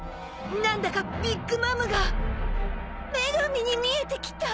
何だかビッグ・マムが女神に見えてきた。